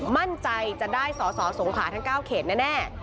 มั่นใจจะได้สอสอสงขาทั้ง๙เขตแน่